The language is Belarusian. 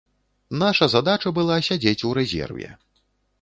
Наша задача была сядзець у рэзерве.